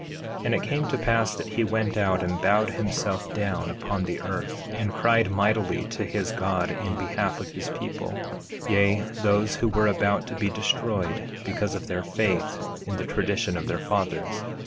1:11 And it came to pass that he went out and bowed himself down upon the earth, and cried mightily to his God in behalf of his people, yea, those who were about to be destroyed because of their faith in the tradition of their fathers.